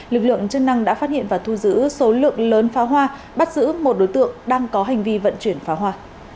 lực lượng chức năng đã phát hiện và thu giữ số lượng lớn pháo hoa bắt giữ một đối tượng đang có hành vi vận chuyển pháo hoa